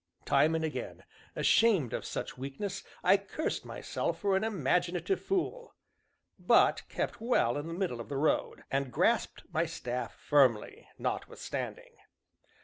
Time and again, ashamed of such weakness, I cursed myself for an imaginative fool, but kept well in the middle of the road, and grasped my staff firmly, notwithstanding.